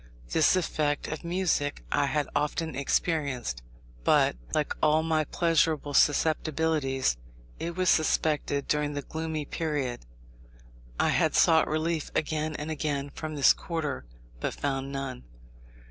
This effect of music I had often experienced; but, like all my pleasurable susceptibilities, it was suspended during the gloomy period. I had sought relief again and again from this quarter, but found none.